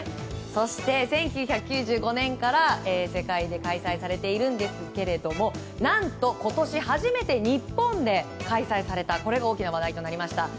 そして、１９９５年から世界で開催されているんですが何と今年初めて日本で開催されたこれが大きな話題となりました。